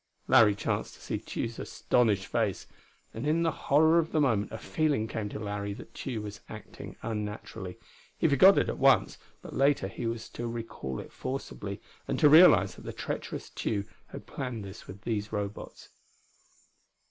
Larry chanced to see Tugh's astonished face, and in the horror of the moment a feeling came to Larry that Tugh was acting unnaturally. He forgot it at once; but later he was to recall it forcibly, and to realize that the treacherous Tugh had planned this with these Robots.